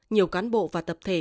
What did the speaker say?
nhiều cán bộ và tập thể